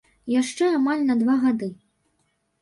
Яшчэ амаль на два гады.